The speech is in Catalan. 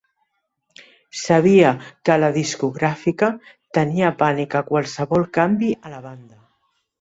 Sabia que a la discogràfica tenia pànic a qualsevol canvi a la banda.